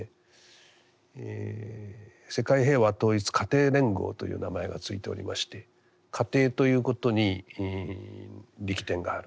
世界平和統一家庭連合という名前が付いておりまして家庭ということに力点がある。